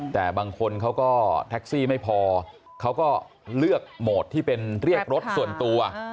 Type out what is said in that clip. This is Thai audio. แต่บางคนเขาก็แท็กซี่ไม่พอเขาก็เลือกโหมดที่เป็นเรียกรถส่วนตัว